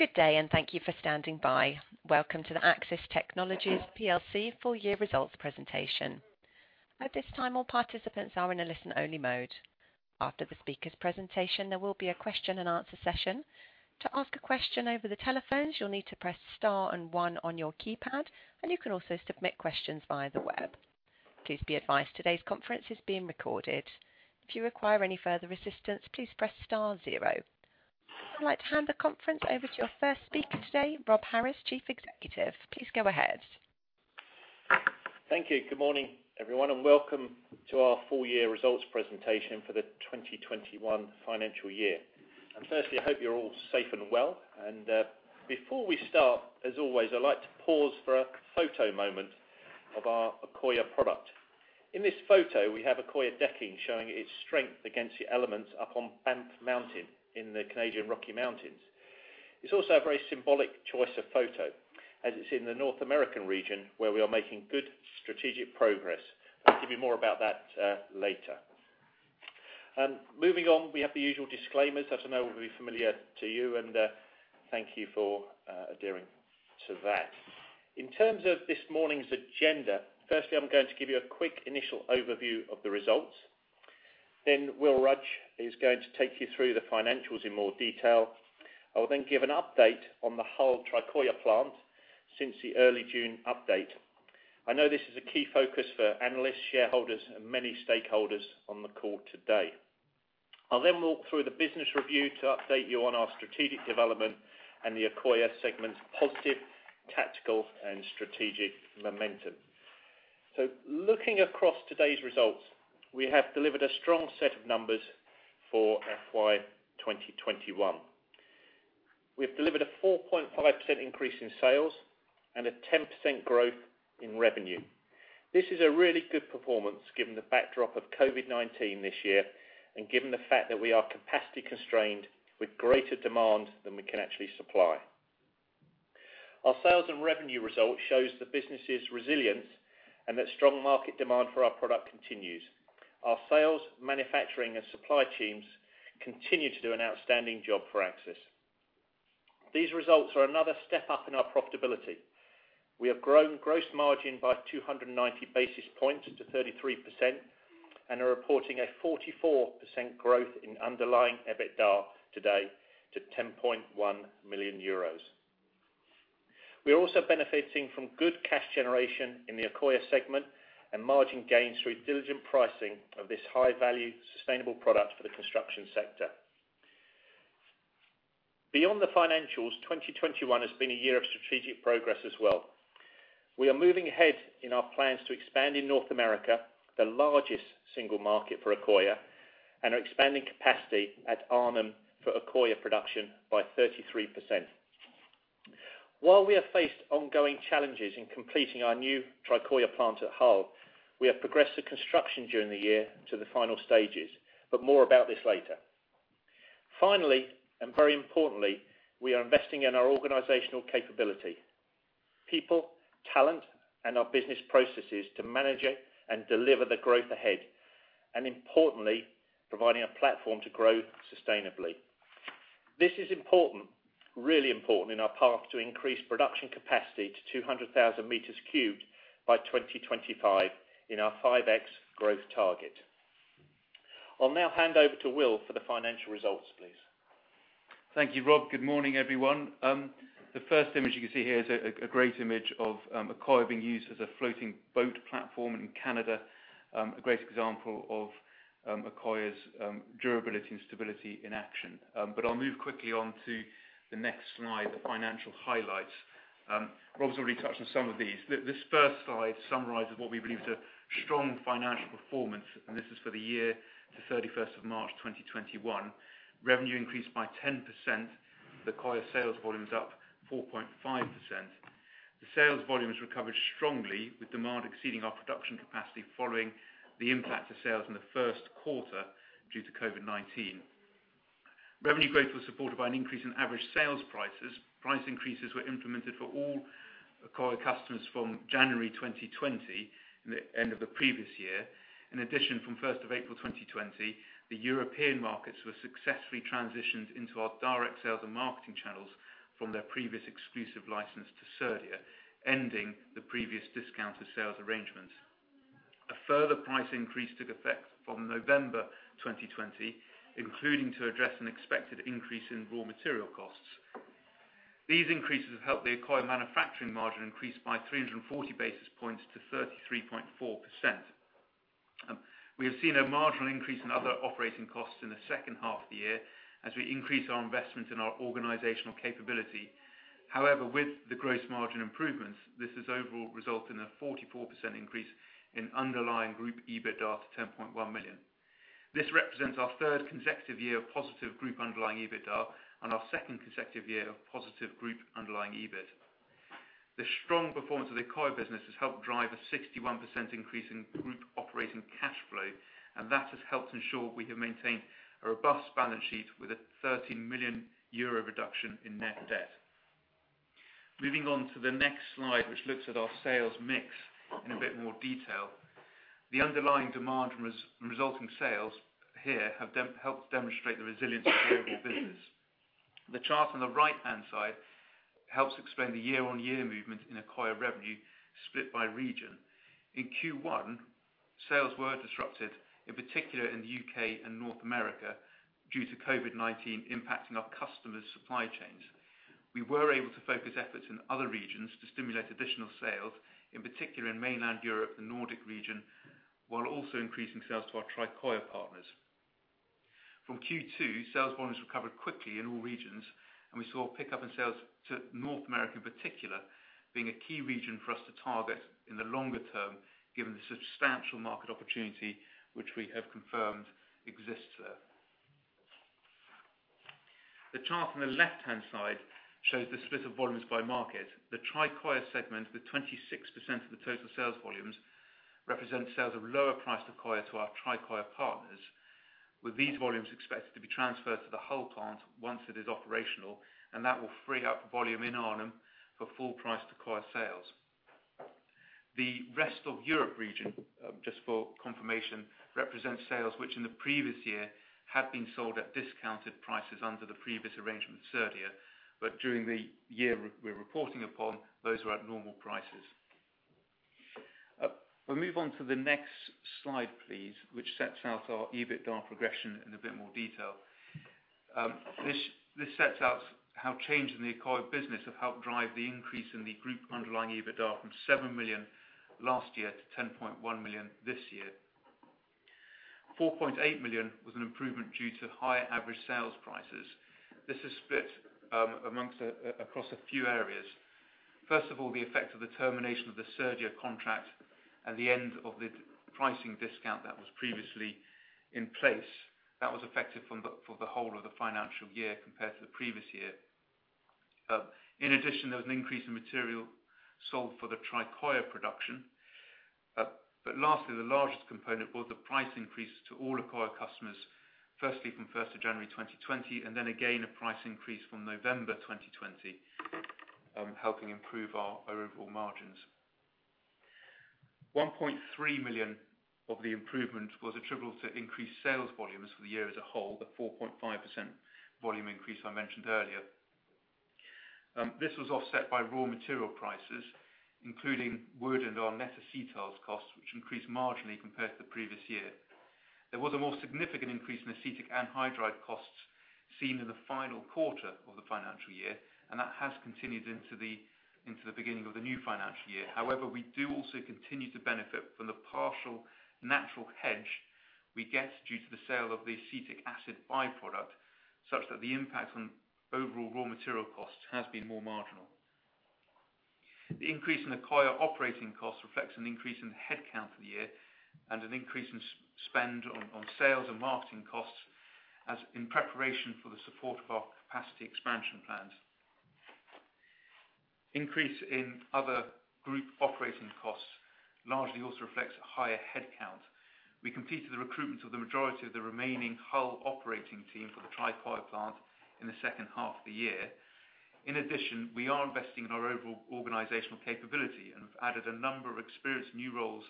Good day, and thank you for standing by. Welcome to the Accsys Technologies PLC full year results presentation. At this time, all participants are in a listen-only mode. After the speaker's presentation, there will be a question and answer session. To ask a question over the telephones, you'll need to press star and one on your keypad, and you can also submit questions via the web. Please be advised today's conference is being recorded. If you require any further assistance, please press star zero. I'd like to hand the conference over to our first speaker today, Rob Harris, Chief Executive. Please go ahead. Thank you. Good morning, everyone. Welcome to our full-year results presentation for the 2021 financial year. Firstly, I hope you're all safe and well. Before we start, as always, I'd like to pause for a photo moment of our Accoya product. In this photo, we have Accoya decking showing its strength against the elements up on Banff Mountain in the Canadian Rocky Mountains. It's also a very symbolic choice of photo, as it's in the North American region where we are making good strategic progress. I'll give you more about that later. Moving on, we have the usual disclaimers that I know will be familiar to you, and thank you for adhering to that. In terms of this morning's agenda, firstly, I'm going to give you a quick initial overview of the results. Will Rudge is going to take you through the financials in more detail. I will then give an update on the Hull Tricoya plant since the early June update. I know this is a key focus for analysts, shareholders, and many stakeholders on the call today. I'll then walk through the business review to update you on our strategic development and the Accoya segment's positive tactical and strategic momentum. Looking across today's results, we have delivered a strong set of numbers for FY 2021. We have delivered a 4.5% increase in sales and a 10% growth in revenue. This is a really good performance given the backdrop of COVID-19 this year, and given the fact that we are capacity constrained with greater demand than we can actually supply. Our sales and revenue results shows the business is resilient and that strong market demand for our product continues. Our sales, manufacturing, and supply teams continue to do an outstanding job for Accsys. These results are another step up in our profitability. We have grown gross margin by 290 basis points to 33% and are reporting a 44% growth in underlying EBITDA today to €10.1 million. We are also benefiting from good cash generation in the Accoya segment and margin gains through diligent pricing of this high-value, sustainable product for the construction sector. Beyond the financials, 2021 has been a year of strategic progress as well. We are moving ahead in our plans to expand in North America, the largest single market for Accoya, and are expanding capacity at Arnhem for Accoya production by 33%. While we have faced ongoing challenges in completing our new Tricoya plant at Hull, we have progressed the construction during the year to the final stages, but more about this later. Finally, and very importantly, we are investing in our organizational capability, people, talent, and our business processes to manage it and deliver the growth ahead, and importantly, providing a platform to grow sustainably. This is important, really important in our path to increase production capacity to 200,000 meters cubed by 2025 in our 5x growth target. I'll now hand over to Will for the financial results, please. Thank you, Rob. Good morning, everyone. The first image you can see here is a great image of Accoya being used as a floating boat platform in Canada. A great example of Accoya's durability and stability in action. I'll move quickly on to the next slide, the financial highlights. Rob's already touched on some of these. This first slide summarizes what we believe is a strong financial performance, and this is for the year to 31st of March 2021. Revenue increased by 10%. Accoya sales volume is up 4.5%. The sales volume has recovered strongly with demand exceeding our production capacity following the impact of sales in the first quarter due to COVID-19. Revenue growth was supported by an increase in average sales prices. Price increases were implemented for all Accoya customers from January 2020, the end of the previous year. In addition, from April 1, 2020, the European markets were successfully transitioned into our direct sales and marketing channels from their previous exclusive license to Cerdia, ending the previous discounted sales arrangement. A further price increase took effect from November 2020, including to address an expected increase in raw material costs. These increases have helped the Accoya manufacturing margin increase by 340 basis points to 33.4%. We have seen a marginal increase in other operating costs in the second half of the year as we increase our investment in our organizational capability. With the gross margin improvements, this has overall resulted in a 44% increase in underlying group EBITDA to 10.1 million. This represents our third consecutive year of positive group underlying EBITDA and our second consecutive year of positive group underlying EBIT. The strong performance of the Accoya business has helped drive a 61% increase in group operating cash flow. That has helped ensure we have maintained a robust balance sheet with a €30 million reduction in net debt. Moving on to the next slide, which looks at our sales mix in a bit more detail. The underlying demand resulting sales here have helped demonstrate the resilience of the Accoya business. The chart on the right-hand side helps explain the year-on-year movement in Accoya revenue split by region. In Q1, sales were disrupted, in particular in the U.K. and North America due to COVID-19 impacting our customers' supply chains. We were able to focus efforts in other regions to stimulate additional sales, in particular in mainland Europe and Nordic region, while also increasing sales to our Tricoya partners. From Q2, sales volumes recovered quickly in all regions, and we saw a pickup in sales to North America in particular, being a key region for us to target in the longer term, given the substantial market opportunity which we have confirmed exists there. The chart on the left-hand side shows the split of volumes by market. The Tricoya segment, with 26% of the total sales volumes, represents sales of lower price Accoya to our Tricoya partners, with these volumes expected to be transferred to the Hull plant once it is operational, and that will free up volume in Arnhem for full-price Accoya sales. The rest of Europe region, just for confirmation, represents sales which in the previous year had been sold at discounted prices under the previous arrangement with Cerdia, but during the year we're reporting upon, those were at normal prices. If I move on to the next slide, please, which sets out our EBITDA progression in a bit more detail. This sets out how changes in the Accoya business have helped drive the increase in the group underlying EBITDA from 7 million last year to 10.1 million this year. 4.8 million was an improvement due to higher average sales prices. This is split across a few areas. First of all, the effect of the termination of the Cerdia contract and the end of the pricing discount that was previously in place. That was effective for the whole of the financial year compared to the previous year. In addition, there was an increase in material sold for the Tricoya production. Lastly, the largest component was the price increase to all Accoya customers. Firstly, from 1st of January 2020, and then again, a price increase from November 2020, helping improve our overall margins. 1.3 million of the improvement was attributable to increased sales volumes for the year as a whole, the 4.5% volume increase I mentioned earlier. This was offset by raw material prices, including wood and our net acetyls costs, which increased marginally compared to the previous year. There was a more significant increase in acetic anhydride costs seen in the final quarter of the financial year. That has continued into the beginning of the new financial year. We do also continue to benefit from the partial natural hedge we get due to the sale of the acetic acid byproduct, such that the impact on overall raw material costs has been more marginal. The increase in Accoya operating costs reflects an increase in headcount for the year and an increase in spend on sales and marketing costs, as in preparation for the support of our capacity expansion plans. Increase in other group operating costs largely also reflects a higher headcount. We completed the recruitment of the majority of the remaining Hull operating team for the Tricoya plant in the second half of the year. In addition, we are investing in our overall organizational capability and have added a number of experienced new roles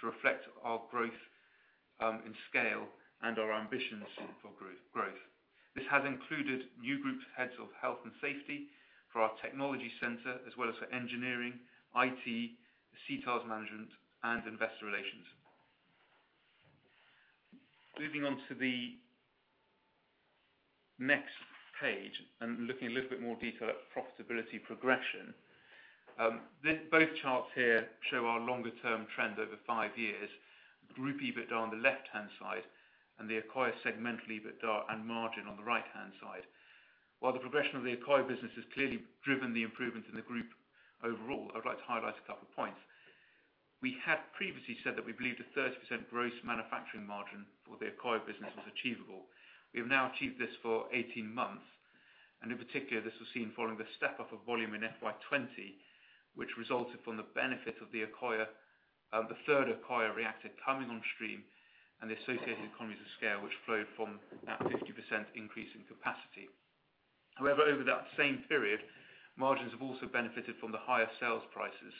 to reflect our growth in scale and our ambitions for growth. This has included new groups heads of health and safety for our technology center, as well as for engineering, IT, acetylls management, and investor relations. Moving on to the next page and looking a little bit more detail at profitability progression. Both charts here show our longer-term trend over five years, group EBITDA on the left-hand side and the Accoya segment EBITDA and margin on the right-hand side. While the progression of the Accoya business has clearly driven the improvement in the group overall, I'd like to highlight a couple of points. We have previously said that we believe a 30% gross manufacturing margin for the Accoya business is achievable. We have now achieved this for 18 months, and in particular, this was seen following the step-up of volume in FY 2020, which resulted from the benefit of the third Accoya reactor coming on stream and the associated economies of scale which flowed from that 50% increase in capacity. Over that same period, margins have also benefited from the higher sales prices.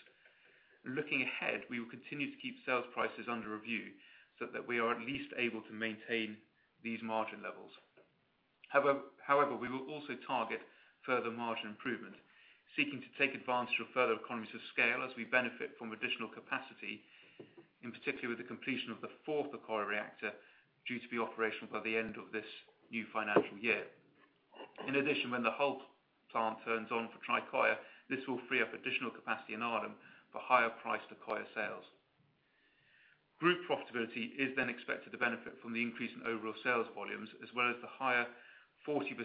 Looking ahead, we will continue to keep sales prices under review so that we are at least able to maintain these margin levels. We will also target further margin improvement, seeking to take advantage of further economies of scale as we benefit from additional capacity, in particular with the completion of the fourth Accoya reactor due to be operational by the end of this new financial year. When the Hull plant turns on for Tricoya, this will free up additional capacity in Arnhem for higher-priced Accoya sales. Group profitability is expected to benefit from the increase in overall sales volumes as well as the higher 40%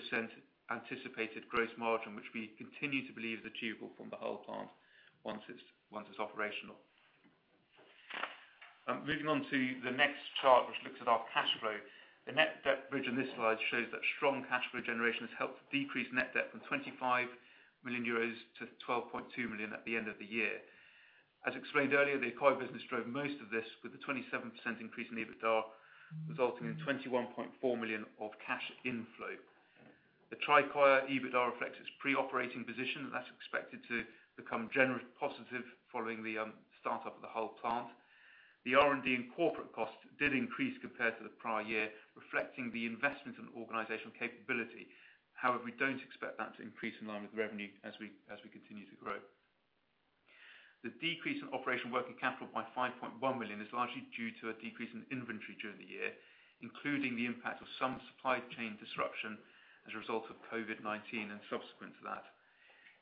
anticipated gross margin, which we continue to believe is achievable from the Hull plant once it's operational. Moving on to the next chart, which looks at our cash flow. The net debt bridge on this slide shows that strong cash flow generation has helped decrease net debt from €25 million to €12.2 million at the end of the year. As explained earlier, the Accoya business drove most of this with a 27% increase in EBITDA, resulting in £21.4 million of cash inflow. The Tricoya EBITDA reflects its pre-operating position that's expected to become generally positive following the startup of the Hull plant. The R&D and corporate costs did increase compared to the prior year, reflecting the investment in organizational capability. However, we don't expect that to increase in line with revenue as we continue to grow. The decrease in operating working capital by £5.1 million is largely due to a decrease in inventory during the year, including the impact of some supply chain disruption as a result of COVID-19 and subsequent to that.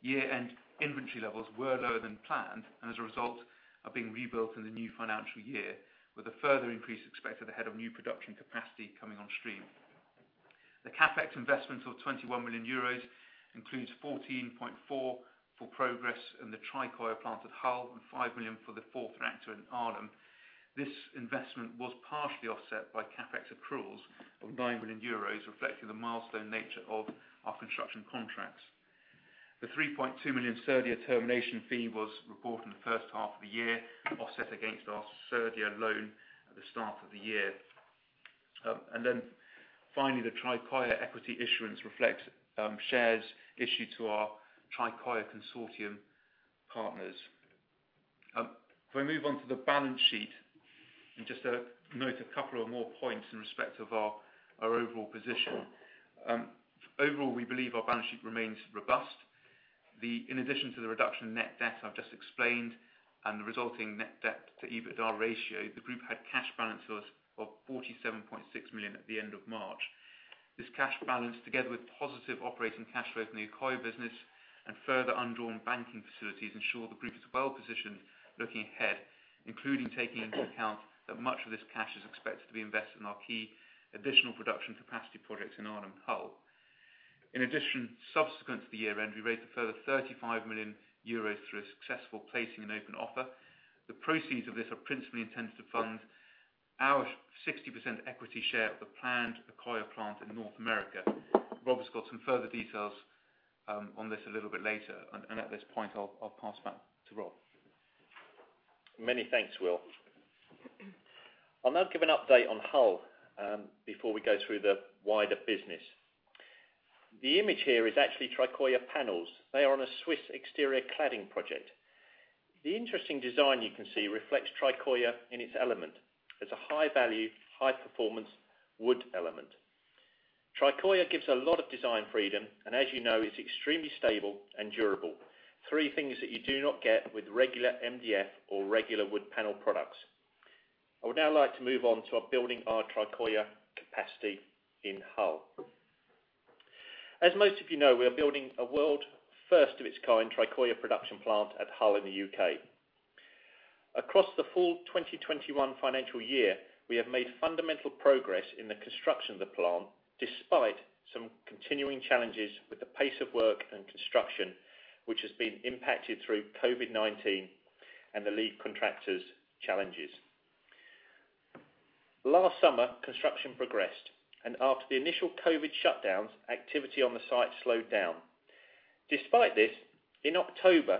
Year-end inventory levels were lower than planned, and as a result are being rebuilt in the new financial year with a further increase expected ahead of new production capacity coming on stream. The CapEx investment of 21 million euros includes 14.4 million for progress in the Tricoya plant at Hull and 5 million for the fourth reactor in Arnhem. This investment was partially offset by CapEx accruals of 9 million euros, reflecting the milestone nature of our construction contracts. The 3.2 million Cerdia termination fee was reported in the first half of the year, offset against our Cerdia loan at the start of the year. Finally, the Tricoya equity issuance reflects shares issued to our Tricoya Consortium partners. I move on to the balance sheet and just note a couple of more points in respect of our overall position. Overall, we believe our balance sheet remains robust. In addition to the reduction in net debt I've just explained and the resulting net debt to EBITDA ratio, the group had cash balance of 47.6 million at the end of March. This cash balance, together with positive operating cash flows in the Accoya business and further undrawn banking facilities, ensure the group is well-positioned looking ahead, including taking into account that much of this cash is expected to be invested in our key additional production capacity projects in Arnhem and Hull. In addition, subsequent to the year-end, we raised a further 35 million euros through a successful placing and open offer. The proceeds of this are principally intended to fund our 60% equity share of the planned Tricoya plant in North America. Rob has got some further details on this a little bit later, and at this point I'll pass that to Rob. Many thanks, Will. I'll now give an update on Hull, before we go through the wider business. The image here is actually Tricoya panels. They are on a Swiss exterior cladding project. The interesting design you can see reflects Tricoya in its element as a high-value, high-performance wood element. Tricoya gives a lot of design freedom, and as you know, is extremely stable and durable. Three things that you do not get with regular MDF or regular wood panel products. I would now like to move on to building our Tricoya capacity in Hull. As most of you know, we are building a world-first-of-its-kind Tricoya production plant at Hull in the U.K. Across the full 2021 financial year, we have made fundamental progress in the construction of the plant, despite some continuing challenges with the pace of work and construction, which has been impacted through COVID-19 and the lead contractor's challenges. Last summer, construction progressed, and after the initial COVID shutdowns, activity on the site slowed down. Despite this, in October,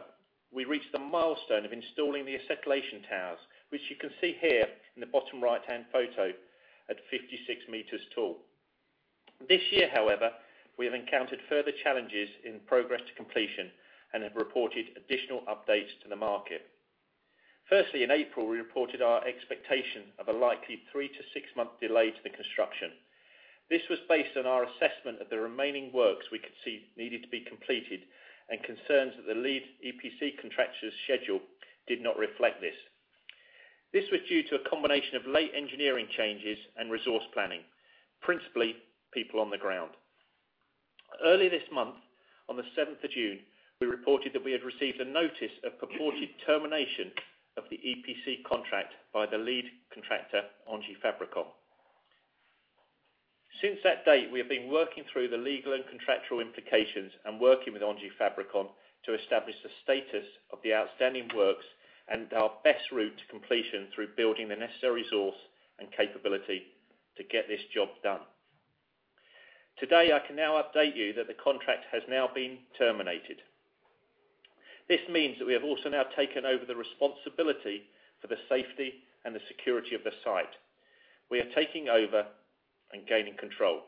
we reached the milestone of installing the acetylation towers, which you can see here in the bottom right-hand photo at 56 meters tall. This year, however, we have encountered further challenges in progress to completion and have reported additional updates to the market. Firstly, in April, we reported our expectation of a likely three to six month delay to the construction. This was based on our assessment of the remaining works we could see needed to be completed and concerns that the lead EPC contractor's schedule did not reflect this. This was due to a combination of late engineering changes and resource planning, principally people on the ground. Early this month, on the 7th of June, we reported that we had received a notice of purported termination of the EPC contract by the lead contractor, Engie Fabricom. Since that date, we have been working through the legal and contractual implications and working with Engie Fabricom to establish the status of the outstanding works and our best route to completion through building the necessary resource and capability to get this job done. Today, I can now update you that the contract has now been terminated. This means that we have also now taken over the responsibility for the safety and the security of the site. We are taking over and gaining control.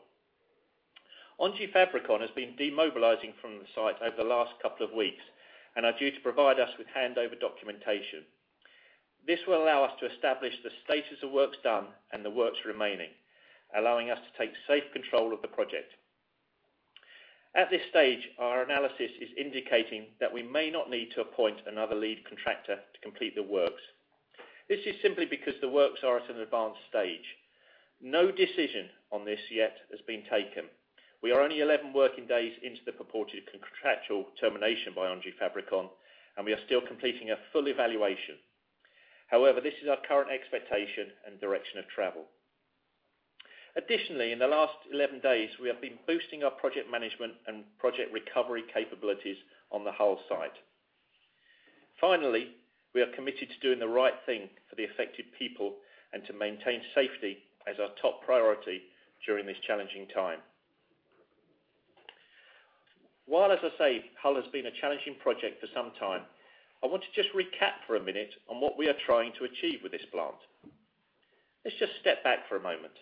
Engie Fabricom has been demobilizing from the site over the last couple of weeks and are due to provide us with handover documentation. This will allow us to establish the status of works done and the works remaining, allowing us to take safe control of the project. At this stage, our analysis is indicating that we may not need to appoint another lead contractor to complete the works. This is simply because the works are at an advanced stage. No decision on this yet has been taken. We are only 11 working days into the purported contractual termination by Engie Fabricom, and we are still completing a full evaluation. This is our current expectation and direction of travel. Additionally, in the last 11 days, we have been boosting our project management and project recovery capabilities on the Hull site. Finally, we are committed to doing the right thing for the affected people and to maintain safety as our top priority during this challenging time. As I say, Hull has been a challenging project for some time, I want to just recap for a minute on what we are trying to achieve with this plant. Let's just step back for a moment.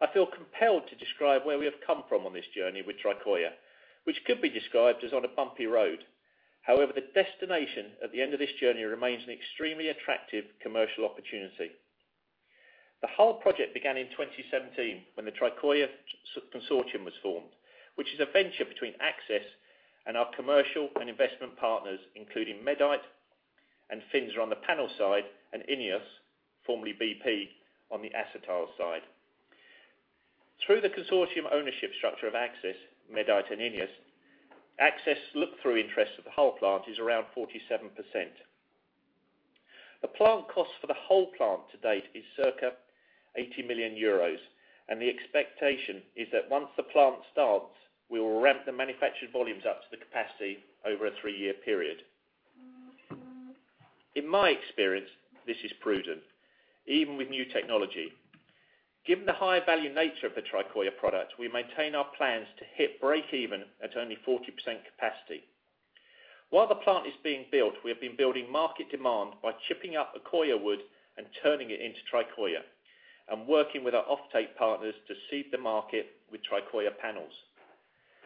I feel compelled to describe where we have come from on this journey with Tricoya, which could be described as on a bumpy road. However, the destination at the end of this journey remains an extremely attractive commercial opportunity. The whole project began in 2017 when the Tricoya Consortium was formed, which is a venture between Accsys and our commercial and investment partners, including Medite and Finsa on the panel side, and Ineos, formerly BP, on the acetyl side. Through the consortium ownership structure of Accsys, Medite and Ineos, Accsys look-through interest for the whole plant is around 47%. The plant cost for the whole plant to date is circa €80 million, and the expectation is that once the plant starts, we will ramp the manufactured volumes up to the capacity over a three-year period. In my experience, this is prudent, even with new technology. Given the high-value nature of the Tricoya product, we maintain our plans to hit breakeven at only 40% capacity. While the plant is being built, we have been building market demand by chipping up Accoya wood and turning it into Tricoya, and working with our off-take partners to seed the market with Tricoya panels.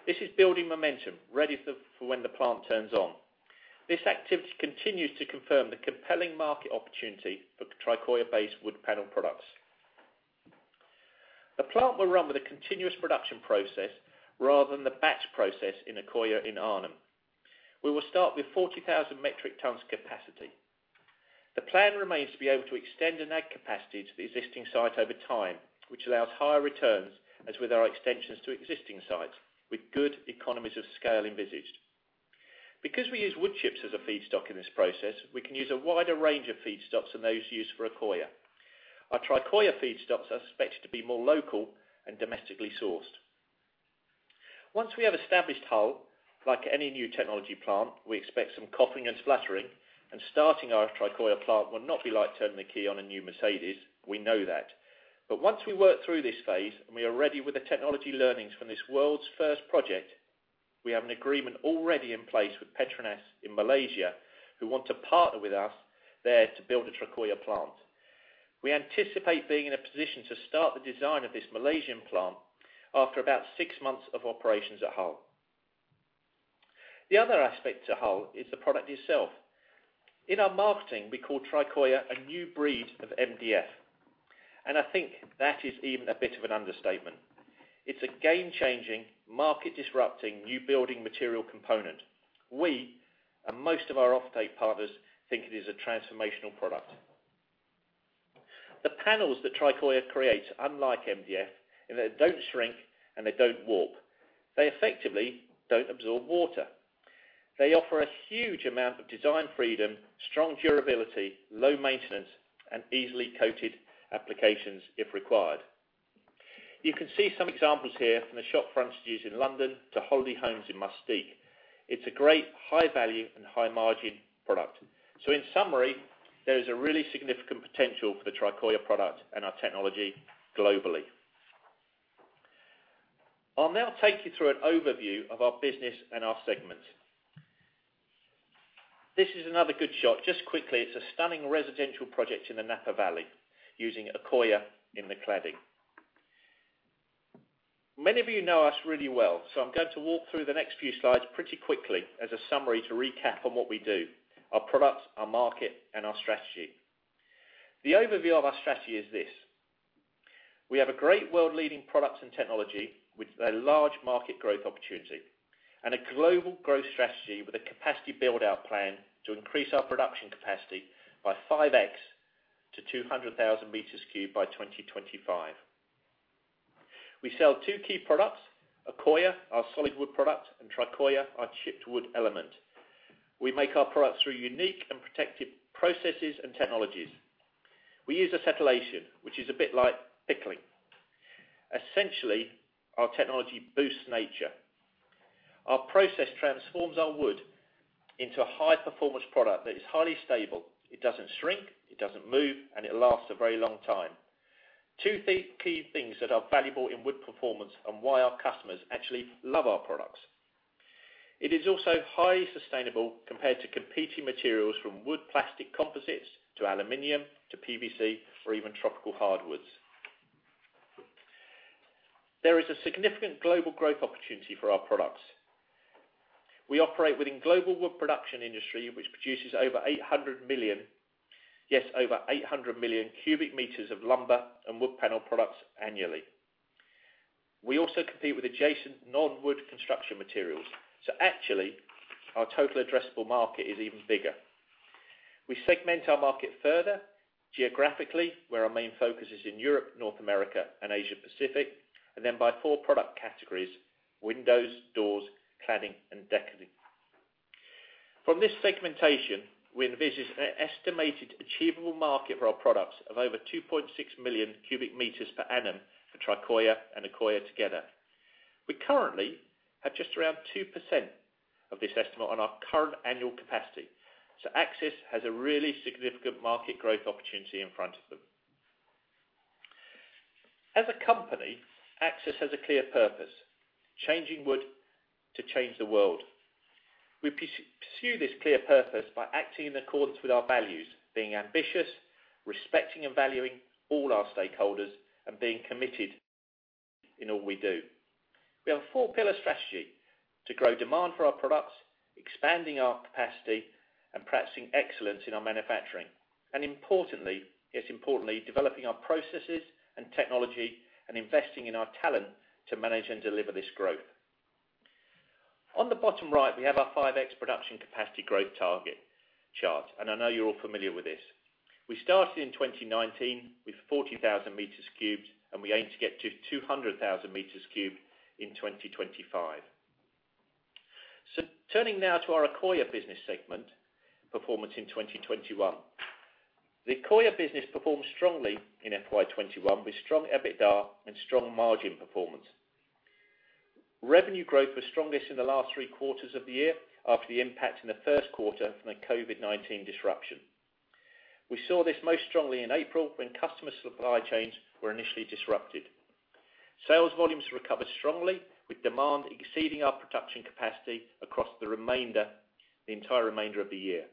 This is building momentum ready for when the plant turns on. This activity continues to confirm the compelling market opportunity for Tricoya-based wood panel products. The plant will run with a continuous production process rather than the batch process in Accoya in Arnhem. We will start with 40,000 metric tons capacity. The plan remains to be able to extend and add capacity to the existing site over time, which allows higher returns, as with our extensions to existing sites, with good economies of scale envisaged. Because we use wood chips as a feedstock in this process, we can use a wider range of feedstocks than those used for Accoya. Our Tricoya feedstocks are expected to be more local and domestically sourced. Once we have established Hull, like any new technology plant, we expect some coughing and spluttering, and starting our Tricoya plant will not be like turning the key on a new Mercedes, we know that. Once we work through this phase, and we are ready with the technology learnings from this world's first project, we have an agreement already in place with Petronas in Malaysia who want to partner with us there to build a Tricoya plant. We anticipate being in a position to start the design of this Malaysian plant after about six months of operations at Hull. The other aspect to Hull is the product itself. In our marketing, we call Tricoya a new breed of MDF, and I think that is even a bit of an understatement. It's a game-changing, market-disrupting, new building material component. We, and most of our off-take partners, think it is a transformational product. The panels that Tricoya creates, unlike MDF, they don't shrink, and they don't warp. They effectively don't absorb water. They offer a huge amount of design freedom, strong durability, low maintenance, and easily coated applications if required. You can see some examples here from the shop frontages in London to holiday homes in Mustique. It's a great high-value and high-margin product. In summary, there's a really significant potential for the Tricoya product and our technology globally. I'll now take you through an overview of our business and our segments. This is another good shot. Just quickly, it's a stunning residential project in the Napa Valley using Accoya in the cladding. Many of you know us really well, I'm going to walk through the next few slides pretty quickly as a summary to recap on what we do, our product, our market, and our strategy. The overview of our strategy is this. We have a great world-leading product and technology with a large market growth opportunity and a global growth strategy with a capacity build-out plan to increase our production capacity by 5x to 200,000 meters cubed by 2025. We sell two key products, Accoya, our solid wood product, and Tricoya, our chipped wood element. We make our products through unique and protected processes and technologies. We use acetylation, which is a bit like pickling. Essentially, our technology boosts nature. Our process transforms our wood into a high-performance product that is highly stable. It doesn't shrink, it doesn't move, and it lasts a very long time. Two key things that are valuable in wood performance and why our customers actually love our products. It is also highly sustainable compared to competing materials from wood plastic composites to aluminum to PVC or even tropical hardwoods. There is a significant global growth opportunity for our products. We operate within the global wood production industry, which produces over 800 million, yes, over 800 million cubic meters of lumber and wood panel products annually. We also compete with adjacent non-wood construction materials, actually, our total addressable market is even bigger. We segment our market further geographically, where our main focus is in Europe, North America, and Asia-Pacific, then by four product categories, windows, doors, cladding, and decking. From this segmentation, we envisage an estimated achievable market for our products of over 2.6 million cubic meters per annum for Tricoya and Accoya together. We currently have just around 2% of this estimate on our current annual capacity. Accsys has a really significant market growth opportunity in front of them. As a company, Accsys has a clear purpose: changing wood to change the world. We pursue this clear purpose by acting in accordance with our values, being ambitious, respecting and valuing all our stakeholders, and being committed in all we do. We have a four-pillar strategy to grow demand for our products, expanding our capacity, practicing excellence in our manufacturing, importantly, yes, importantly, developing our processes and technology and investing in our talent to manage and deliver this growth. On the bottom right, we have our 5X production capacity growth target chart, I know you're all familiar with this. We started in 2019 with 40,000 meters cubed, We aim to get to 200,000 meters cubed in 2025. Turning now to our Accoya business segment performance in 2021. The Accoya business performed strongly in FY 2021 with strong EBITDA and strong margin performance. Revenue growth was strongest in the last three quarters of the year after the impact in the 1st quarter from the COVID-19 disruption. We saw this most strongly in April when customer supply chains were initially disrupted. Sales volumes recovered strongly, with demand exceeding our production capacity across the entire remainder of the year.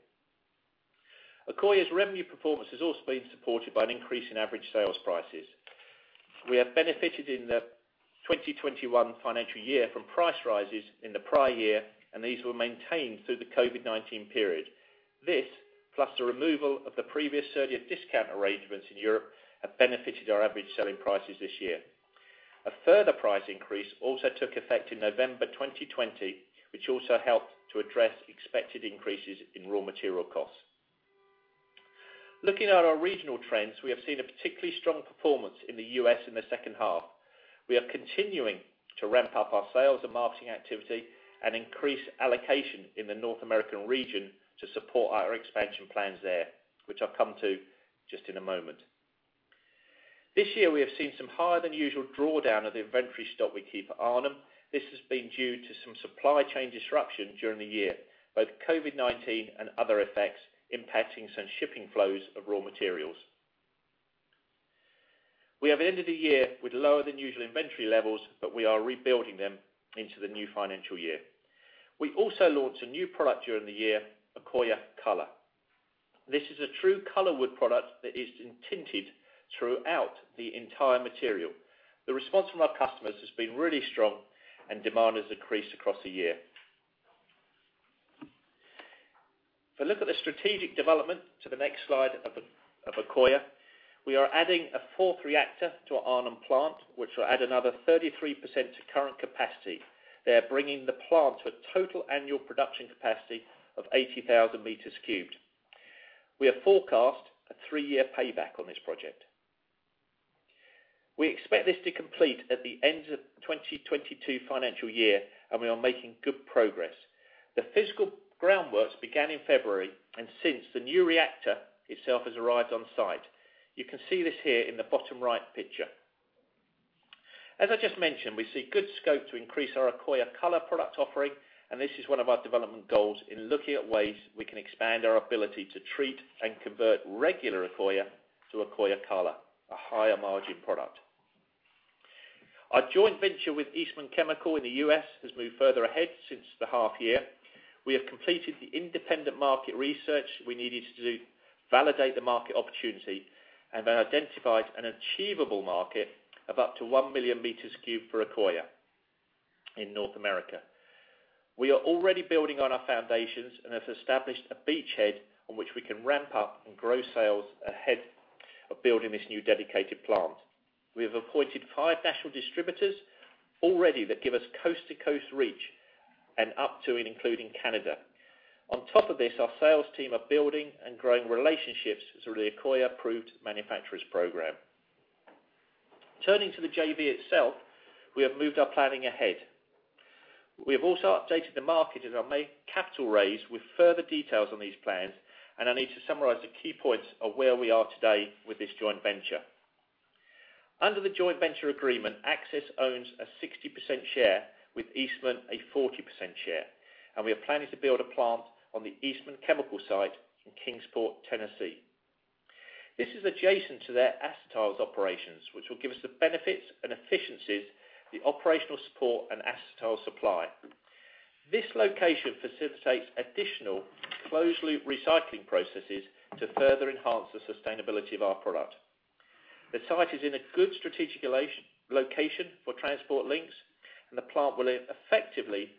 Accoya's revenue performance has also been supported by an increase in average sales prices. We have benefited in the 2021 financial year from price rises in the prior year, and these were maintained through the COVID-19 period. This, plus the removal of the previous surcharges discount arrangements in Europe, have benefited our average selling prices this year. A further price increase also took effect in November 2020, which also helped to address expected increases in raw material costs. Looking at our regional trends, we have seen a particularly strong performance in the U.S. in the second half. We are continuing to ramp up our sales and marketing activity and increase allocation in the North American region to support our expansion plans there, which I'll come to just in a moment. This year, we have seen some higher-than-usual drawdown of the inventory stock we keep at Arnhem. This has been due to some supply chain disruption during the year, both COVID-19 and other effects impacting some shipping flows of raw materials. We have ended the year with lower-than-usual inventory levels. We are rebuilding them into the new financial year. We also launched a new product during the year, Accoya Color. This is a true color wood product that is tinted throughout the entire material. The response from our customers has been really strong and demand has increased across the year. If I look at the strategic development to the next slide of Accoya, we are adding a fourth reactor to our Arnhem plant, which will add another 33% to current capacity, there bringing the plant to a total annual production capacity of 80,000 meters cubed. We have forecast a three-year payback on this project. We expect this to complete at the end of 2022 financial year, and we are making good progress. The physical groundworks began in February, and since, the new reactor itself has arrived on site. You can see this here in the bottom right picture. As I just mentioned, we see good scope to increase our Accoya Color product offering, and this is one of our development goals in looking at ways we can expand our ability to treat and convert regular Accoya to Accoya Color, a higher margin product. Our joint venture with Eastman Chemical in the U.S. has moved further ahead since the half year. We have completed the independent market research we needed to do to validate the market opportunity and have identified an achievable market of up to 1 million meters cubed for Accoya in North America. We are already building on our foundations and have established a beachhead on which we can ramp up and grow sales ahead of building this new dedicated plant. We have appointed 5 national distributors already that give us coast-to-coast reach and up to and including Canada. On top of this, our sales team are building and growing relationships through the Accoya Approved Manufacturers program. Turning to the JV itself, we have moved our planning ahead. We have also updated the market as our main capital raise with further details on these plans, and I need to summarize the key points of where we are today with this joint venture. Under the joint venture agreement, Accsys owns a 60% share with Eastman a 40% share, and we are planning to build a plant on the Eastman Chemical site in Kingsport, Tennessee. This is adjacent to their acetyls operations, which will give us the benefits and efficiencies, the operational support, and acetyl supply. This location facilitates additional closed-loop recycling processes to further enhance the sustainability of our product. The site is in a good strategic location for transport links, and the plant will effectively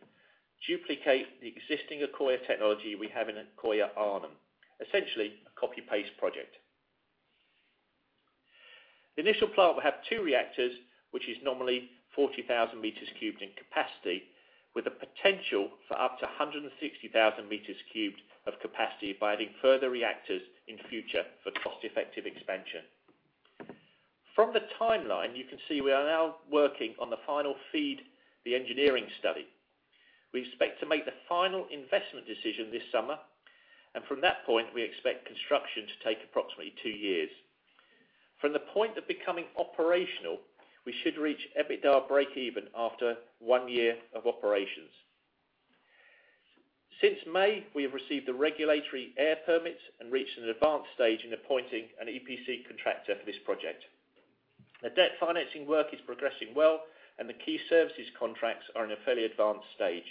duplicate the existing Accoya technology we have in Accoya Arnhem, essentially a copy-paste project. The initial plant will have two reactors, which is nominally 40,000 meters cubed in capacity, with the potential for up to 160,000 meters cubed of capacity by adding further reactors in future for cost-effective expansion. From the timeline, you can see we are now working on the final FEED, the engineering study. We expect to make the final investment decision this summer. From that point, we expect construction to take approximately two years. From the point of becoming operational, we should reach EBITDA breakeven after one year of operations. Since May, we have received the regulatory air permits and reached an advanced stage in appointing an EPC contractor for this project. The debt financing work is progressing well, and the key services contracts are in a fairly advanced stage.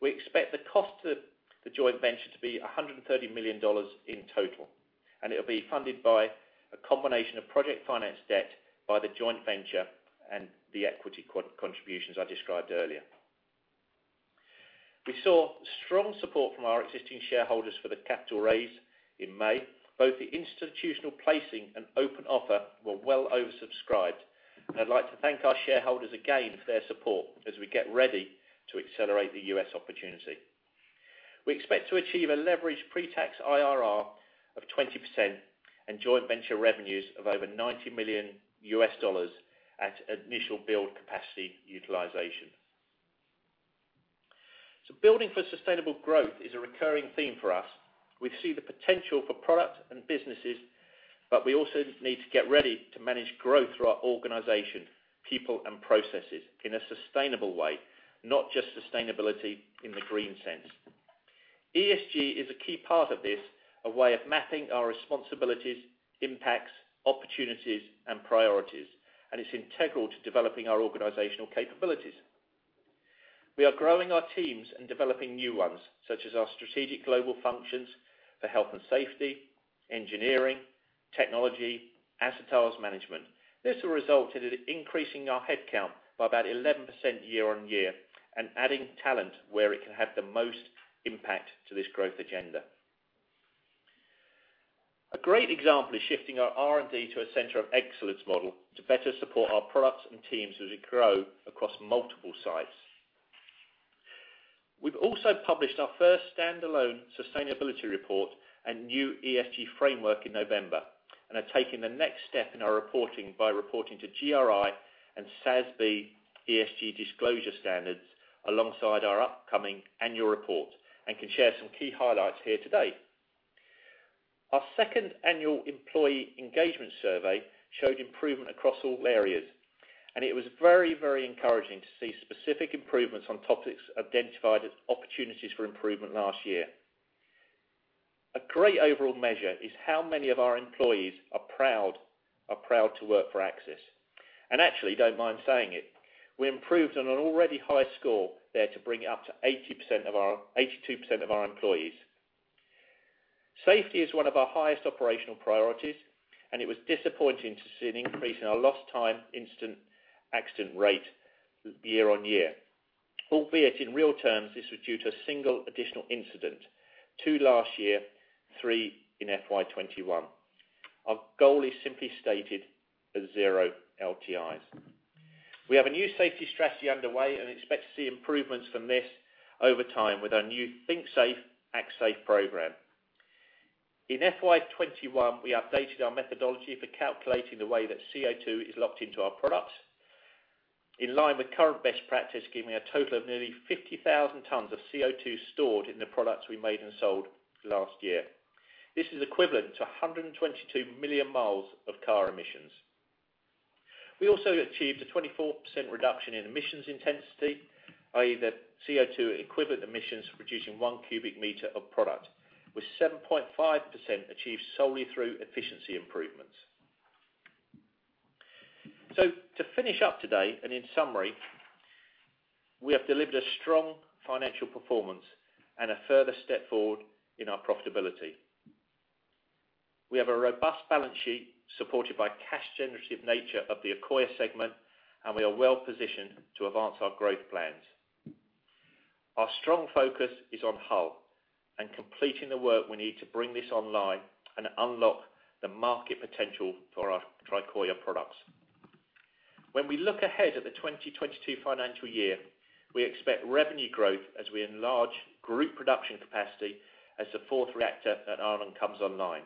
We expect the cost of the joint venture to be $130 million in total, and it will be funded by a combination of project finance debt by the joint venture and the equity contributions I described earlier. We saw strong support from our existing shareholders for the capital raise in May. Both the institutional placing and open offer were well oversubscribed. I'd like to thank our shareholders again for their support as we get ready to accelerate the U.S. opportunity. We expect to achieve a leveraged pretax IRR of 20% and joint venture revenues of over $90 million U.S. dollars at initial build capacity utilization. Building for sustainable growth is a recurring theme for us. We see the potential for product and businesses, but we also need to get ready to manage growth through our organization, people, and processes in a sustainable way, not just sustainability in the green sense. ESG is a key part of this, a way of mapping our responsibilities, impacts, opportunities, and priorities, and it's integral to developing our organizational capabilities. We are growing our teams and developing new ones, such as our strategic global functions for health and safety, engineering, technology, acetyls management. This will result in increasing our headcount by about 11% year-on-year and adding talent where it can have the most impact to this growth agenda. A great example is shifting our R&D to a center of excellence model to better support our products and teams as we grow across multiple sites. We've also published our first standalone sustainability report and new ESG framework in November and are taking the next step in our reporting by reporting to GRI and SASB ESG disclosure standards alongside our upcoming annual report and can share some key highlights here today. Our second annual employee engagement survey showed improvement across all areas, and it was very encouraging to see specific improvements on topics identified as opportunities for improvement last year. A great overall measure is how many of our employees are proud to work for Accsys and actually don't mind saying it. We improved on an already high score there to bring it up to 82% of our employees. Safety is one of our highest operational priorities, and it was disappointing to see an increase in our lost time incident accident rate year-on-year, albeit in real terms, this was due to a single additional incident, two last year, three in FY 2021. Our goal is simply stated as zero LTIs. We have a new safety strategy underway and expect to see improvements from this over time with our new Think Safe, Act Safe program. In FY 2021, we updated our methodology for calculating the way that CO2 is locked into our products in line with current best practice, giving a total of nearly 50,000 tons of CO2 stored in the products we made and sold last year. This is equivalent to 122 million miles of car emissions. We also achieved a 24% reduction in emissions intensity, i.e., the CO2 equivalent emissions producing one cubic meter of product, with 7.5% achieved solely through efficiency improvements. To finish up today and in summary, we have delivered a strong financial performance and a further step forward in our profitability. We have a robust balance sheet supported by cash generative nature of the Accoya segment, and we are well positioned to advance our growth plans. Our strong focus is on Hull and completing the work we need to bring this online and unlock the market potential for our Tricoya products. When we look ahead at the 2022 financial year, we expect revenue growth as we enlarge group production capacity as the fourth reactor at Arnhem comes online.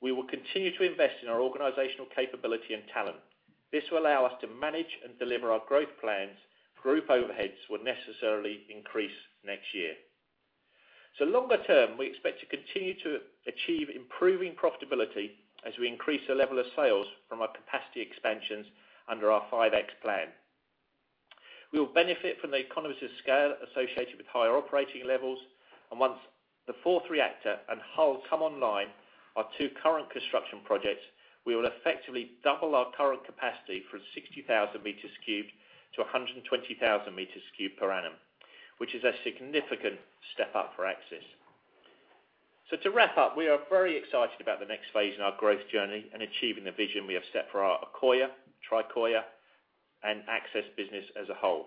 We will continue to invest in our organizational capability and talent. This will allow us to manage and deliver our growth plans. Group overheads will necessarily increase next year. Longer term, we expect to continue to achieve improving profitability as we increase the level of sales from our capacity expansions under our 5X plan. We will benefit from the economies of scale associated with higher operating levels, and once the fourth reactor and Hull come online, our two current construction projects, we will effectively double our current capacity from 60,000 meters cubed to 120,000 meters cubed per annum, which is a significant step up for Accsys. To wrap up, we are very excited about the next phase in our growth journey and achieving the vision we have set for our Accoya, Tricoya, and Accsys business as a whole.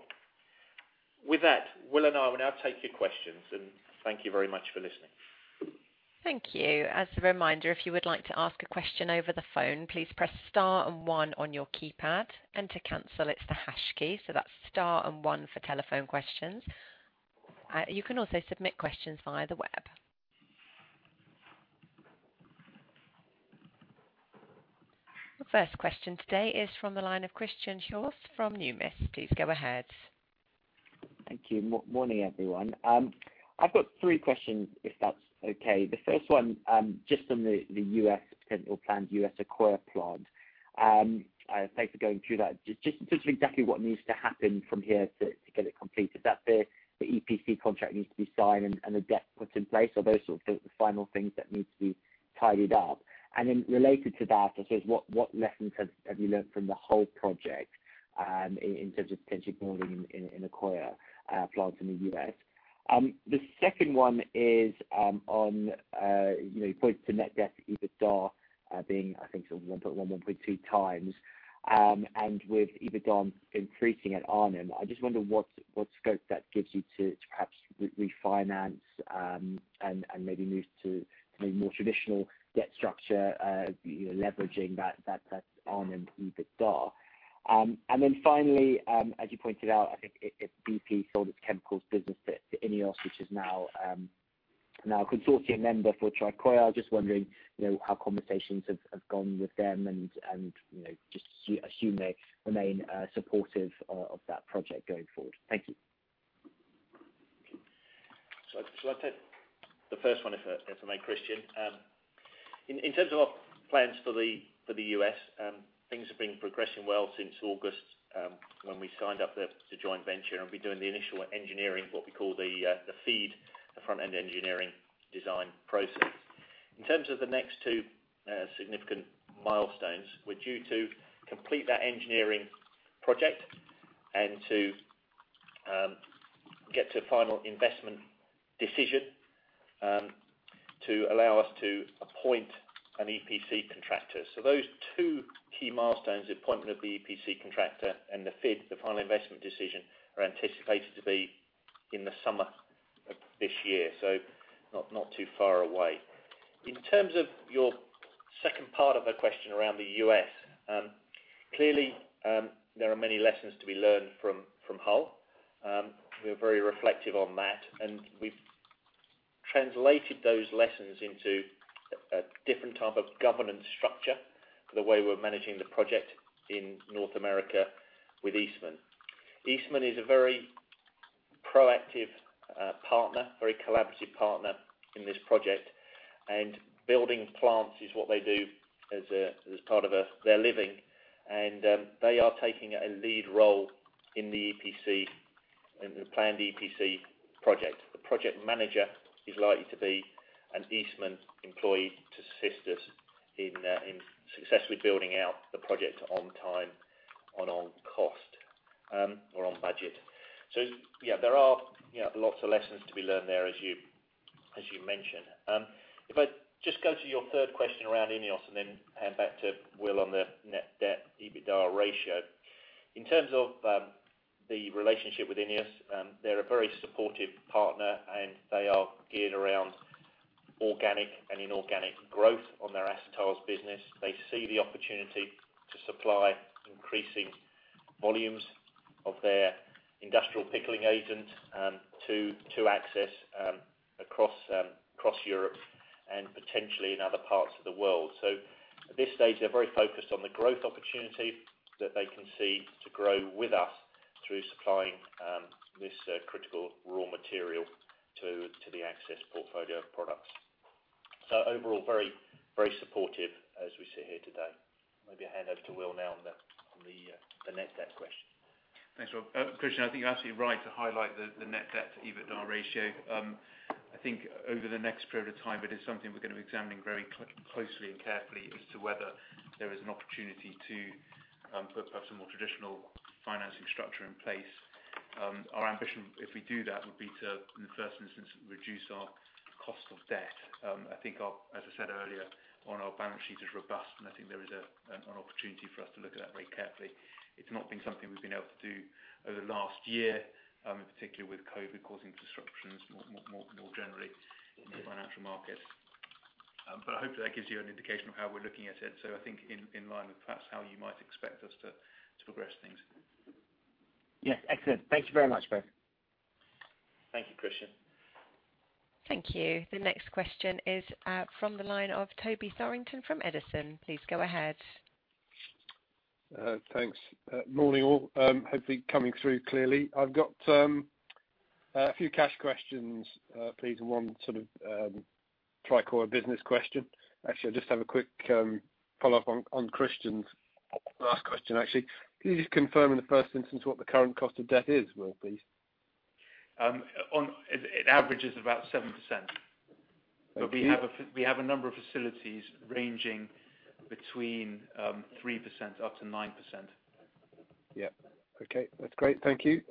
With that, Will and I will now take your questions, and thank you very much for listening. Thank you. As a reminder, if you would like to ask a question over the phone, please press star and one on your keypad. To cancel, it's the hash key. That's star and one for telephone questions. You can also submit questions via the web. The first question today is from the line of Christian Schütz from Numis. Please go ahead. Thank you. Morning, everyone. I've got three questions, if that's okay. The first one, just on the U.S. potential planned U.S. Accoya plant. Thanks for going through that. Just exactly what needs to happen from here to get it completed. That the EPC contract needs to be signed and the debt put in place. Are those sort of the final things that need to be tidied up? Then related to that, I suppose, what lessons have you learned from the whole project in terms of potentially building an Accoya plant in the U.S.? The second one is on, points to net debt EBITDA being, I think, 1.1.2 times. With EBITDA increasing at Arnhem. I just wonder what scope that gives you to perhaps refinance and maybe move to a more traditional debt structure, leveraging that Arnhem EBITDA. Finally, as you pointed out, I think BP sold its chemicals business to Ineos, which is now a consortium member for Tricoya. Just wondering how conversations have gone with them, and just assume they remain supportive of that project going forward? Thank you. I'll take the first one first then for Christian. In terms of our plans for the U.S., things have been progressing well since August, when we signed up the joint venture, and we're doing the initial engineering, what we call the FEED, the front-end engineering design process. In terms of the next two significant milestones, we're due to complete that engineering project and to get to a final investment decision to allow us to appoint an EPC contractor. Those two key milestones, appointment of the EPC contractor and the FEED, the final investment decision, are anticipated to be in the summer of this year, so not too far away. In terms of your second part of the question around the U.S., clearly, there are many lessons to be learned from Hull. We're very reflective on that, and we've translated those lessons into a different type of governance structure for the way we're managing the project in North America with Eastman. Eastman is a very proactive partner, very collaborative partner in this project, and building plants is what they do as part of their living. They are taking a lead role in the EPC, in the planned EPC project. The project manager is likely to be an Eastman employee to assist us in successfully building out the project on time and on cost or on budget. Yeah, there are lots of lessons to be learned there as you mentioned. If I just go to your third question around Ineos and then hand back to Will on the net debt EBITDA ratio. In terms of the relationship with Ineos, they're a very supportive partner, they are geared around organic and inorganic growth on their acetyls business. They see the opportunity to supply increasing volumes of their industrial pickling agent to Accsys across Europe and potentially in other parts of the world. At this stage, they're very focused on the growth opportunity that they can see to grow with us through supplying this critical raw material to the Accsys portfolio of products. Overall, very supportive as we sit here today. Maybe I hand over to Will now on the net debt question. Thanks, Will. Christian, I think you're absolutely right to highlight the net debt to EBITDA ratio. I think over the next period of time, it is something we're going to be examining very closely and carefully as to whether there is an opportunity to put perhaps a more traditional financing structure in place. Our ambition, if we do that, would be to, in the first instance, reduce our cost of debt. I think as I said earlier, on our balance sheet is robust, and I think there is an opportunity for us to look at that very carefully. It's not been something we've been able to do over the last year, in particular with COVID-19 causing disruptions more generally in the financial market. I hope that gives you an indication of how we're looking at it. I think in line with perhaps how you might expect us to progress things. Yeah. Excellent. Thank you very much, both. Thank you, Christian. Thank you. The next question is from the line of Toby Thorrington from Edison. Please go ahead. Thanks. Morning, all. Hopefully coming through clearly. I have got a few cash questions, please, and one sort of Tricoya business question. I just have a quick follow-up on Christian's last question, actually. Can you just confirm in the first instance what the current cost of debt is, Will, please? It averages about 7%. Okay. We have a number of facilities ranging between 3% up to 9%. Yeah. Okay. That's great. Thank you.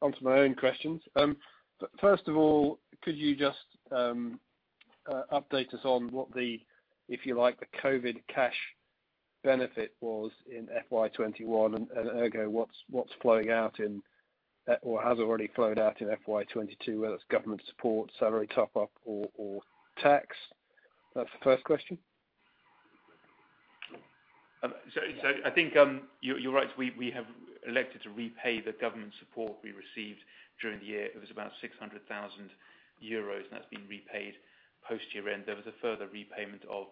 Onto my own questions. First of all, could you just update us on what the, if you like, the COVID-19 cash benefit was in FY 2021, and ergo, what's flowing out in or has already flowed out in FY 2022, whether it's government support, salary top-up or tax? That's the first question. I think you're right. We have elected to repay the government support we received during the year. It was about 600,000 euros, and that's been repaid post-year-end. There was a further repayment of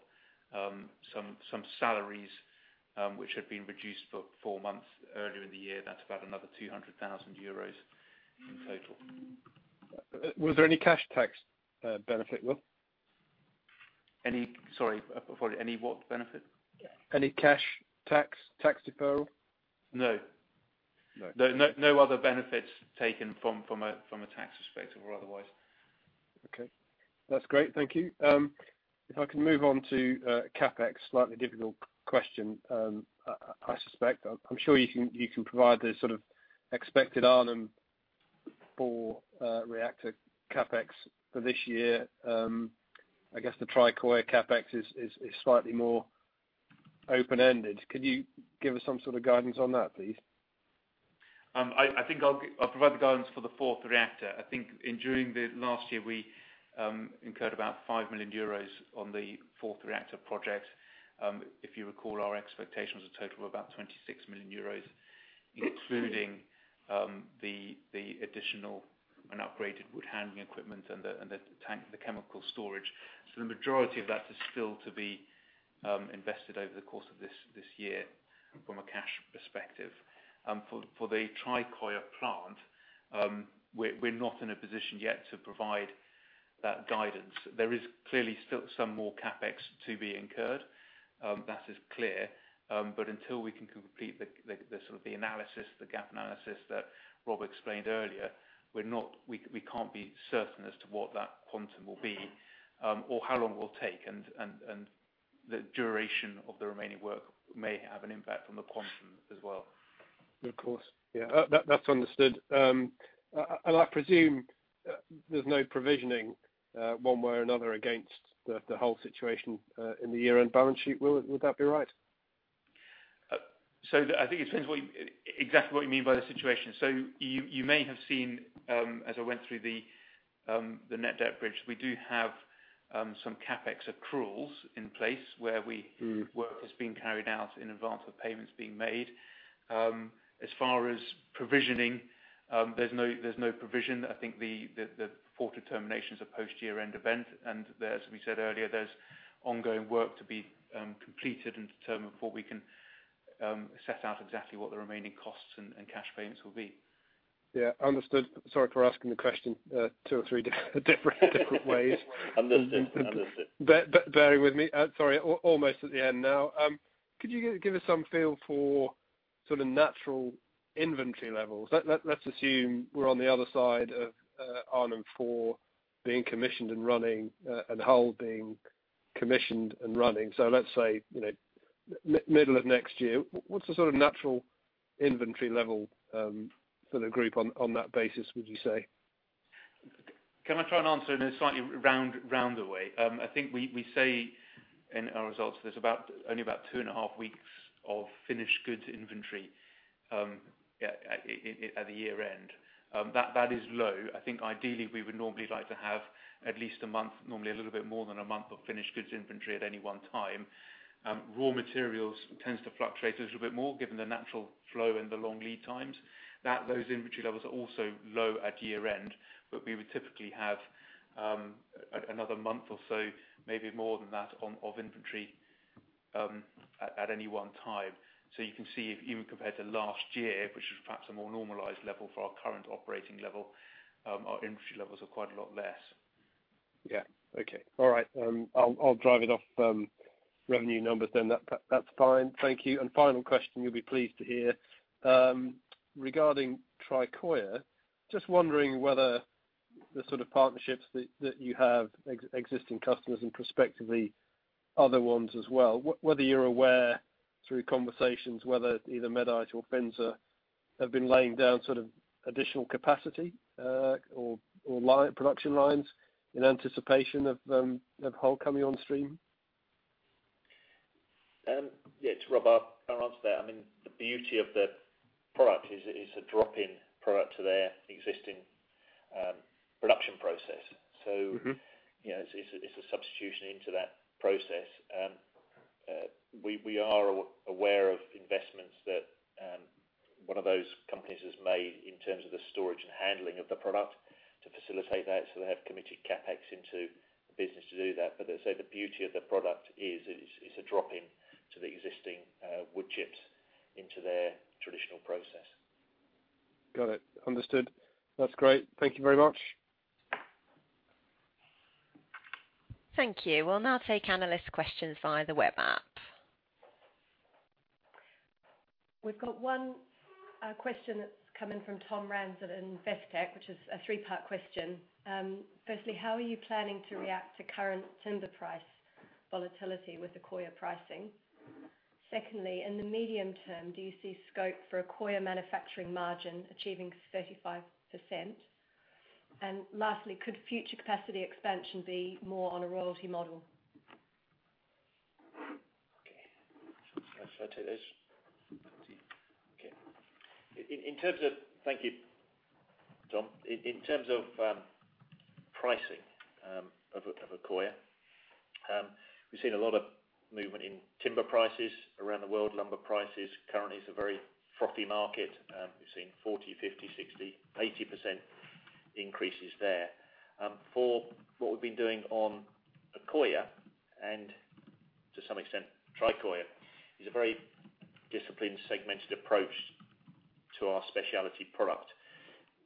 some salaries which had been reduced for four months earlier in the year, that's about another 200,000 euros in total. Was there any cash tax benefit, Will? Sorry, any what benefit? Any cash tax deferral? No. No. No other benefits taken from a tax perspective or otherwise. Okay. That's great. Thank you. If I can move on to CapEx, slightly difficult question, I suspect. I'm sure you can provide the sort of expected Arnhem 4 reactor CapEx for this year. I guess the Tricoya CapEx is slightly more open-ended. Could you give us some sort of guidance on that, please? I think I'll provide the guidance for the fourth reactor. I think during the last year, we incurred about 5 million euros on the fourth reactor project. If you recall, our expectation was a total of about 26 million euros, including the additional and upgraded wood handling equipment and the tank, the chemical storage. The majority of that is still to be invested over the course of this year from a cash perspective. For the Tricoya plant, we're not in a position yet to provide that guidance. There is clearly still some more CapEx to be incurred, that is clear. Until we can complete the sort of the analysis, the gap analysis that Rob Harris explained earlier, we can't be certain as to what that quantum will be or how long it will take, and the duration of the remaining work may have an impact on the quantum as well. Of course. Yeah. That's understood. I presume there's no provisioning one way or another against the Hull situation in the year-end balance sheet. Will, would that be right? I think it depends exactly what you mean by the situation. You may have seen, as I went through the net debt bridge, we do have some CapEx accruals in place where work is being carried out in advance of payments being made. As far as provisioning, there's no provision. I think the four determinations are post year-end event, as we said earlier, there's ongoing work to be completed and determined before we can set out exactly what the remaining costs and cash payments will be. Yeah, understood. Sorry for asking the question two or three different ways. Understood. Bear with me. Sorry, almost at the end now. Could you give us some feel for sort of natural inventory levels? Let's assume we're on the other side of Arnhem 4 being commissioned and running and Hull being commissioned and running. Let's say, middle of next year, what's the sort of natural inventory level for the group on that basis, would you say? Can I try and answer in a slightly rounder way? I think we say in our results there's only about two and a half weeks of finished goods inventory at the year-end. That is low. I think ideally we would normally like to have at least a month, normally a little bit more than a month of finished goods inventory at any one time. Raw materials tends to fluctuate a little bit more given the natural flow and the long lead times. Those inventory levels are also low at year-end, we would typically have another month or so, maybe more than that of inventory at any one time. You can see even compared to last year, which is perhaps a more normalized level for our current operating level, our inventory levels are quite a lot less. Yeah. Okay. All right. I'll drive it off revenue numbers then. That's fine. Thank you. Final question, you'll be pleased to hear. Regarding Tricoya, just wondering whether the sort of partnerships that you have, existing customers and prospectively other ones as well, whether you're aware through conversations whether either Medite or Finsa have been laying down sort of additional capacity or production lines in anticipation of Hull coming on stream. To wrap up, I'll answer that. The beauty of the product is it's a drop-in product to their existing production process. It's a substitution into that process. We are aware of investments that one of those companies has made in terms of the storage and handling of the product to facilitate that. They have committed CapEx into the business to do that. As I say, the beauty of the product is it's a drop-in to the existing wood chips into their traditional process. Got it. Understood. That's great. Thank you very much. Thank you. We'll now take analyst questions via the web app. We've got one question that's come in from Tom Ramsden in Investec, which is a three-part question. Firstly, how are you planning to react to current timber price volatility with the Accoya pricing? Secondly, in the medium term, do you see scope for a Accoya manufacturing margin achieving 35%? Lastly, could future capacity expansion be more on a royalty model? Okay. Shall I take this? Okay. Thank you, Tom. In terms of pricing of Accoya, we've seen a lot of movement in timber prices around the world. Lumber prices currently is a very frothy market. We've seen 40%, 50%, 60%, 80% Increases there. For what we've been doing on Accoya, and to some extent Tricoya, is a very disciplined, segmented approach to our specialty product.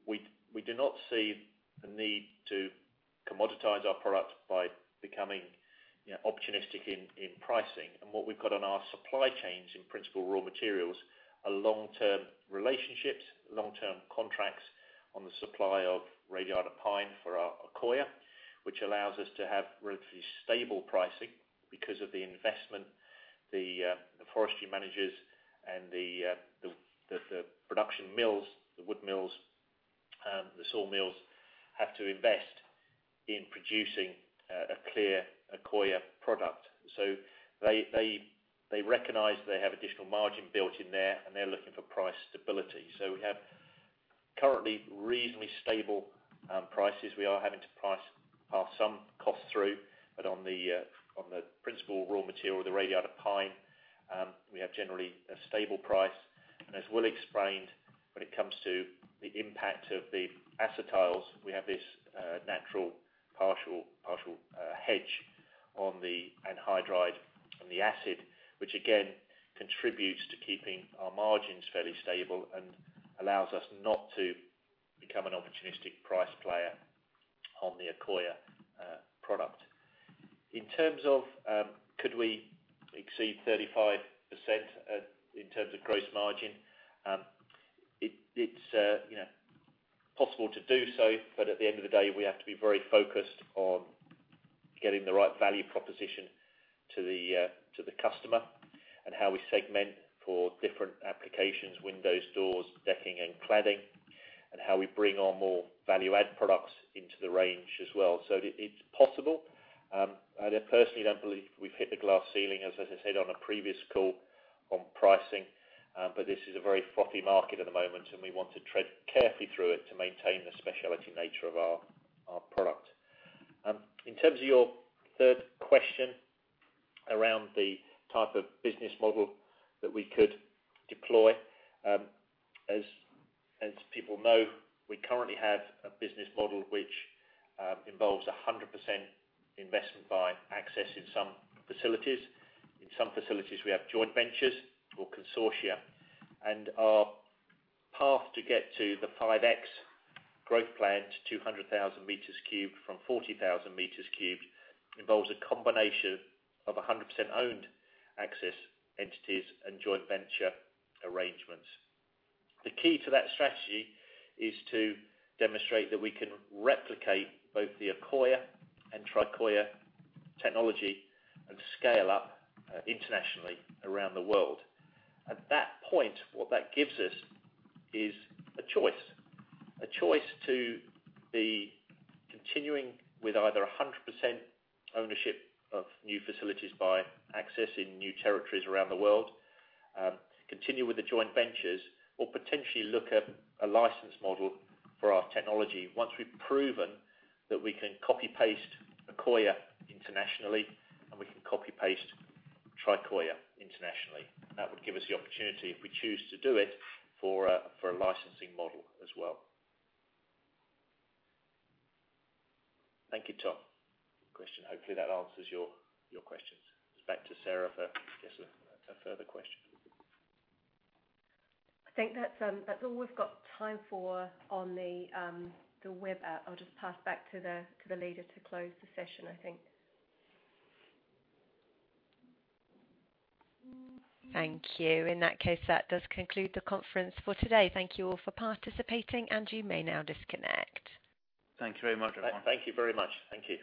We do not see the need to commoditize our product by becoming opportunistic in pricing. What we've got on our supply chains, in principle, raw materials, are long-term relationships, long-term contracts on the supply of radiata pine for our Accoya, which allows us to have relatively stable pricing because of the investment the forestry managers and the production mills, the wood mills, the sawmills, have to invest in producing a clear Accoya product. They recognize they have additional margin built in there, and they're looking for price stability. We have currently reasonably stable prices. We are having to price pass some costs through, but on the principal raw material, the radiata pine, we have generally a stable price. As Will explained, when it comes to the impact of the acetyls, we have this natural partial hedge on the anhydride and the acid, which again, contributes to keeping our margins fairly stable and allows us not to become an opportunistic price player on the Accoya product. In terms of could we exceed 35% in terms of gross margin? It's possible to do so, but at the end of the day, we have to be very focused on getting the right value proposition to the customer and how we segment for different applications, windows, doors, decking, and cladding, and how we bring on more value-add products into the range as well. It's possible. I personally don't believe we've hit the glass ceiling, as I said on a previous call, on pricing. This is a very frothy market at the moment, and we want to tread carefully through it to maintain the specialty nature of our product. In terms of your third question around the type of business model that we could deploy, as people know, we currently have a business model which involves 100% investment by Accsys in some facilities. In some facilities, we have joint ventures or consortia. Our path to get to the 5x growth plan to 200,000 meters cubed from 40,000 meters cubed involves a combination of 100% owned Accsys entities and joint venture arrangements. The key to that strategy is to demonstrate that we can replicate both the Accoya and Tricoya technology and scale up internationally around the world. At that point, what that gives us is a choice. A choice to be continuing with either 100% ownership of new facilities by Accsys in new territories around the world, continue with the joint ventures, or potentially look at a license model for our technology once we've proven that we can copy-paste Accoya internationally and we can copy-paste Tricoya internationally. That would give us the opportunity, if we choose to do it, for a licensing model as well. Thank you, Tom, for the question. Hopefully that answers your questions. Back to Sarah for further questions. I think that's all we've got time for on the web app. I'll just pass back to the leader to close the session, I think. Thank you. In that case, that does conclude the conference for today. Thank you all for participating, and you may now disconnect. Thank you very much, everyone. Thank you very much. Thank you.